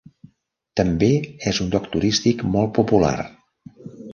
També és un lloc turístic molt popular.